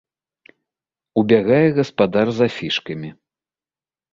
Убягае гаспадар з афішкамі.